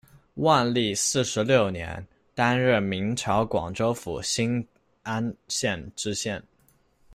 万历四十六年，担任明朝广州府新安县知县。